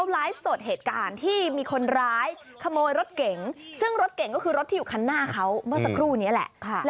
และรถกรรมเขา